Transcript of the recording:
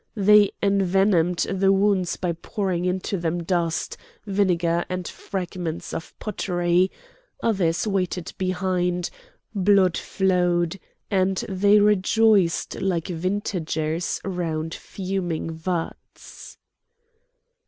They envenomed the wounds by pouring into them dust, vinegar, and fragments of pottery; others waited behind; blood flowed, and they rejoiced like vintagers round fuming vats.